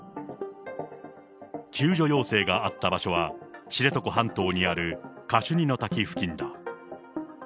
救助要請があった場所は、知床半島にあるカシュニの滝付近だ。